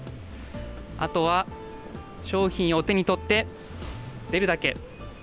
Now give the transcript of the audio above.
あとは商品を手に取って、出るだけ。